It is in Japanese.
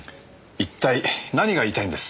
一体何が言いたいんです？